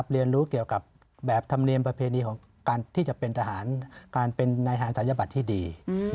เรียนรู้เกี่ยวกับแบบธรรมเนียมประเพณีของการที่จะเป็นทหารการเป็นนายทหารศัลยบัตรที่ดี